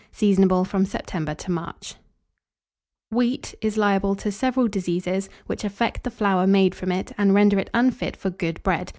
Seasonable from September to March. [Illustration: WHEAT.] Wheat is liable to several diseases, which affect the flour made from it, and render it unfit for good bread.